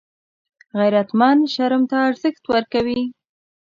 غیرتمند شرم ته ارزښت ورکوي